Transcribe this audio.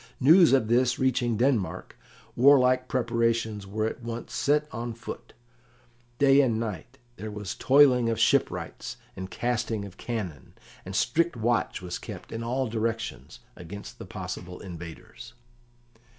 News of this reaching Denmark, warlike preparations were at once set on foot; day and night there was toiling of shipwrights and casting of cannon, and strict watch was kept in all directions against the possible invaders.